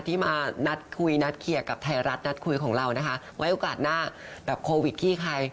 ที่มานัดคุยนัดเคลียร์กับไทยรัฐนัดคุยของเรานะคะไว้โอกาสหน้าแบบโควิดขี้คลาย